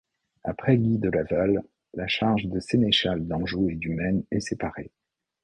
Après Guy de Laval, la charge de sénéchal d'Anjou et du Maine est séparée.